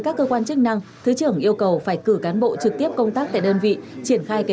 các cơ quan chức năng thứ trưởng yêu cầu phải cử cán bộ trực tiếp công tác tại đơn vị triển khai kế